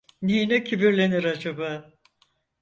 Neyine kibirlenir acaba?